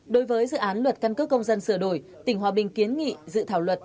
đối với dự án luật căn cước công dân sửa đổi tỉnh hòa bình kiến nghị dự thảo luật